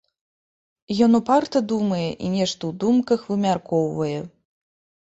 Ён упарта думае і нешта ў думках вымяркоўвае.